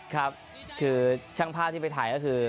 ครับคือช่างพลาดที่ไปถ่าย